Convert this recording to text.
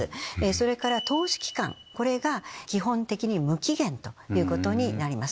それから投資期間が基本的に無期限ということになります。